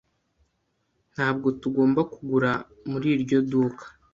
Ntabwo tugomba kugura muri iryo duka.